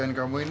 ini dia bukunya